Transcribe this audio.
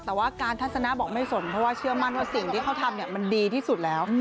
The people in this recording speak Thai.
แต่ว่าการทัศนะบอกไม่สนเพราะว่าเชื่อมั่นว่าสิ่งที่เขาทำมันดีที่สุดแล้ว